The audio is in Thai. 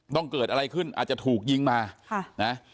ต้องเกิดอะไรขึ้นอาจจะถูกยิงมาค่ะนะ